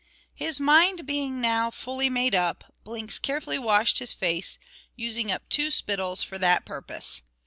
His mind being now fully made up, Blinks carefully washed his face, using up two spittles for that purpose.